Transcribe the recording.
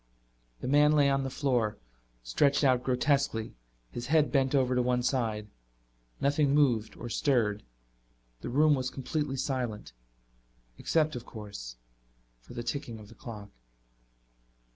The man lay on the floor, stretched out grotesquely, his head bent over to one side. Nothing moved or stirred. The room was completely silent, except, of course, for the ticking of the clock.